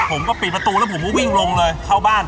ผมก็ปิดประตูแล้วผมก็วิ่งลงเลย